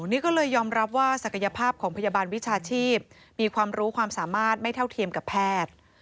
นี่ก็เลยยอมรับว่าศักยภาพของพยาบาลวิชาชีพมีความรู้ความสามารถไม่เท่าเทียมกับแพทย์